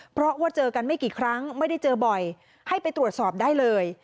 เพราะว่าเจอกันไม่กี่ครั้งไม่ได้เจอบ่อยให้ไปตรวจสอบได้เลย